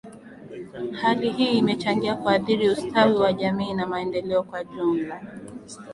Hali hii imechangia kuathiri ustawi wa jamii na maendeleo kwa ujumla